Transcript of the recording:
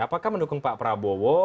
apakah mendukung pak prabowo